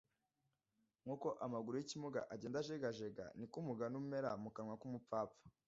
nk’uko amaguru y’ikimuga agenda ajegajega, ni ko umugani umera mu kanwa k’umupfapfa